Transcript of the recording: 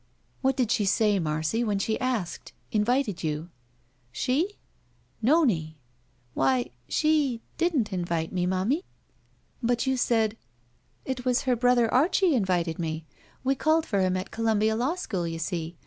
"What did she say, Marcy, when she asked — invited you?" "She?" "Nonie." "Why — she — didn't invite me, momie." 11 ^SS /*■ THE SMUDGE *'But you just said —" "It was her brother Archie invited me. We called for him at Columbia Law School, you see.